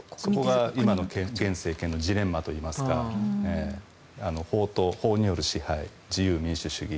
そこが今の現政権のジレンマといいますか法による支配、自由民主主義